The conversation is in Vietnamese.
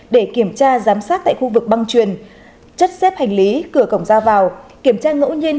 để kiểm tra giám sát tại khu vực băng truyền chấp xếp hành lý cửa cổng ra vào kiểm tra ngẫu nhiên